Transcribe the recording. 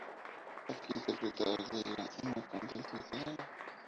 Aquí interpreta a Allegra, una condesa italiana.